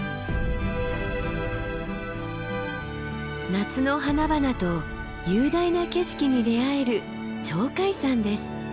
夏の花々と雄大な景色に出会える鳥海山です。